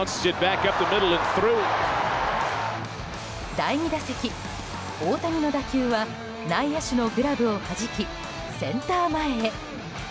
第２打席、大谷の打球は内野手のグラブをはじきセンター前へ。